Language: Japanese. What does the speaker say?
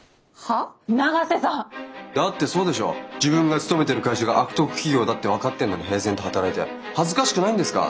自分が勤めてる会社が悪徳企業だって分かってんのに平然と働いて恥ずかしくないんですか？